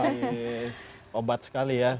yee obat sekali ya